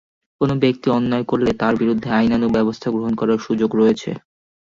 কোনো ব্যক্তি অন্যায় করলে তাঁর বিরুদ্ধে আইনানুগ ব্যবস্থা গ্রহণ করার সুযোগ রয়েছে।